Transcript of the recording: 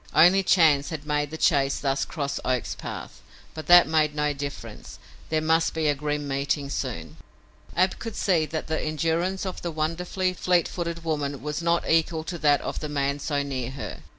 Only chance had made the chase thus cross Oak's path; but that made no difference. There must be a grim meeting soon. Ab could see that the endurance of the wonderfully fleet footed woman was not equal to that of the man so near her.